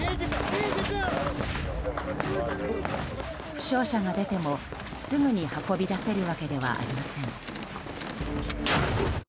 負傷者が出ても、すぐに運び出せるわけではありません。